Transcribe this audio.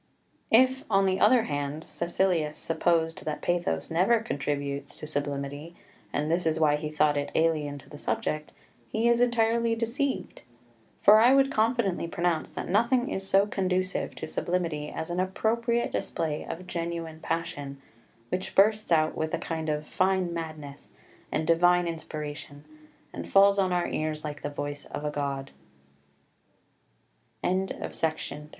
4 If, on the other hand, Caecilius supposed that pathos never contributes to sublimity, and this is why he thought it alien to the subject, he is entirely deceived. For I would confidently pronounce that nothing is so conducive to sublimity as an appropriate display of genuine passion, which bursts out with a kind of "fine madness" and divine inspiration, and falls on our ears like the voice of a